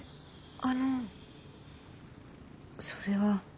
あのそれは。